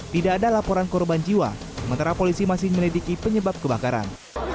tidak ada laporan korban jiwa sementara polisi masih melidiki penyebab kebakaran